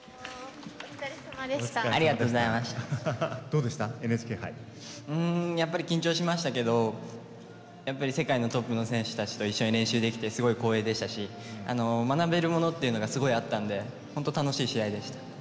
うんやっぱり緊張しましたけどやっぱり世界のトップの選手たちと一緒に練習できてすごい光栄でしたし学べるものっていうのがすごいあったので本当楽しい試合でした。